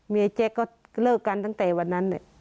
ยายแจ๊กก็เลิกกันตั้งแต่วันนั้น